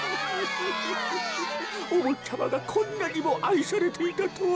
おぼっちゃまがこんなにもあいされていたとは。